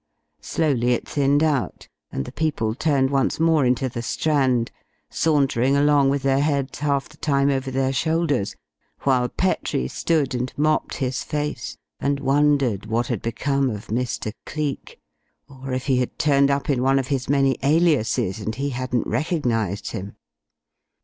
Slowly it thinned out and the people turned once more into the Strand, sauntering along with their heads half the time over their shoulders, while Petrie stood and mopped his face and wondered what had become of Mr. Cleek, or if he had turned up in one of his many aliases, and he hadn't recognized him.